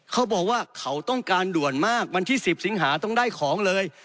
เขาบอกว่าเขาต้องการด่วนมากวันที่๑๐สิงหาต้องได้ของเลย